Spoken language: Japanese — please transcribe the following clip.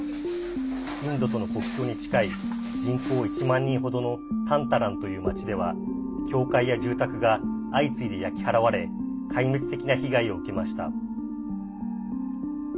インドとの国境に近い人口１万人ほどのタンタランという町では教会や住宅が相次いで焼き払われ壊滅的な被害を受けました。